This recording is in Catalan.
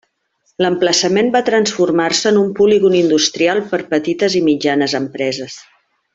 L'emplaçament va transformar-se en un polígon industrial per petites i mitjanes empreses.